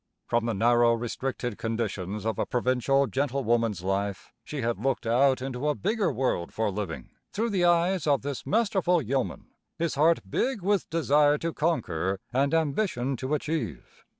From the narrow, restricted conditions of a provincial gentlewoman's life, she had looked out into a bigger world for living, through the eyes of this masterful yeoman, his heart big with desire to conquer and ambition to achieve.